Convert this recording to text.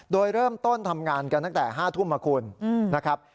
โดยเริ่มต้นทำงานกันตั้งแต่๕ทุ่มนะคุณนะครับ